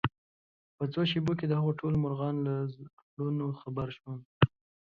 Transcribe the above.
په څو شېبو کې دهغو ټولو مرغانو له زړونو خبر شوم